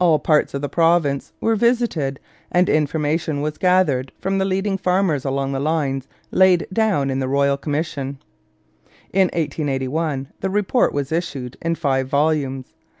All parts of the province were visited and information was gathered from the leading farmers along the lines laid down in the royal commission. In 1881 the report was issued in five volumes.